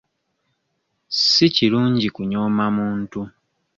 Si kirungi kunyooma muntu.